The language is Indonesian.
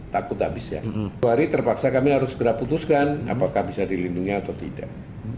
lpsk harus segera putuskan apakah bisa dilindungi atau tidak